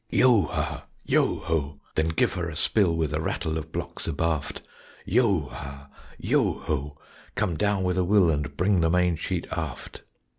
Yo ha! Yo ho! Then give her a spill, With a rattle of blocks abaft. Yo ha! Yo ho! Come down with a will And bring the main sheet aft.